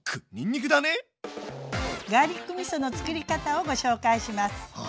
ガーリックみそのつくり方をご紹介します。